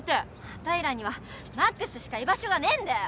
あたいらには魔苦須しか居場所がねえんだよ！